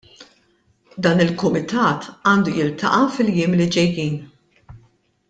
Dan il-kumitat għandu jiltaqa' fil-jiem li ġejjin.